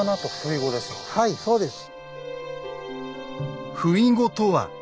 はいそうです。